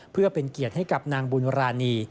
เพื่อเป็นเกียรติให้กับนางบุญรานี